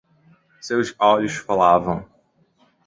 Seus olhos falavam.